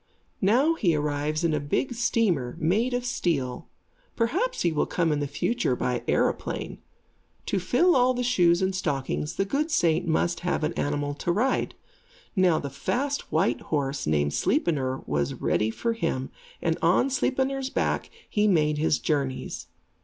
Now he arrives in a big steamer, made of steel. Perhaps he will come in the future by aeroplane. To fill all the shoes and stockings, the good saint must have an animal to ride. Now the fast white horse, named Sleipnir, was ready for him, and on Sleipnir's back he made his journeys.